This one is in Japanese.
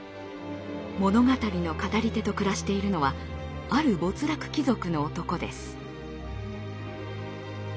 物語の語り手と暮らしているのはある没落貴族の男です。